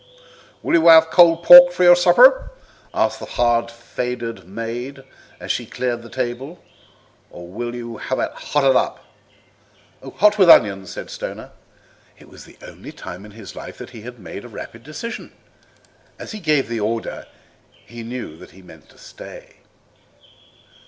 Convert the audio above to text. "Will you have cold pork for your supper," asked the hard faced maid, as she cleared the table, "or will you have it hotted up?" "Hot, with onions," said Stoner. It was the only time in his life that he had made a rapid decision. And as he gave the order he knew that he meant to stay.